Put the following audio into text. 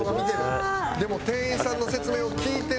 でも店員さんの説明を聞いてる。